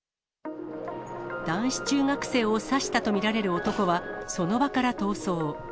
男子中学生を刺したと見られる男は、その場から逃走。